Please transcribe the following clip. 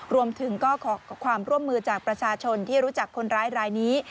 รวมถึงก็ขอความร่วมมือจากประชาชนที่รู้จักคนร้ายรายนี้